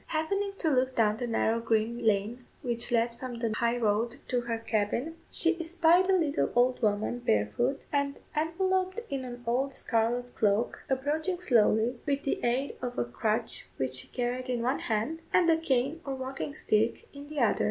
Happening to look down the narrow green lane which led from the high road to her cabin, she espied a little old woman barefoot, and enveloped in an old scarlet cloak, approaching slowly, with the aid of a crutch which she carried in one hand, and a cane or walking stick in the other.